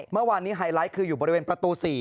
เมื่อวานนี้ไฮไลท์คืออยู่บริเวณประตู๔